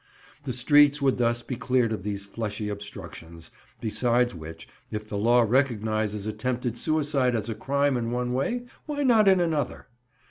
The streets would thus be cleared of these fleshy obstructions; besides which, if the law recognises attempted suicide as a crime in one way, why not in another?